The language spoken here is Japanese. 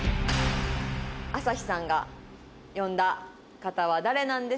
麻火さんが呼んだ方は誰なんでしょうか。